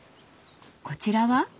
こちらは？